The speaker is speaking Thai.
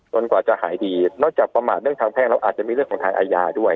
กว่าจะหายดีนอกจากประมาทเรื่องทางแพ่งแล้วอาจจะมีเรื่องของทางอาญาด้วย